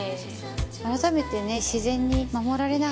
改めてね。